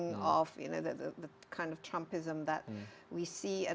bukanlah pengembangan trumpism yang kita lihat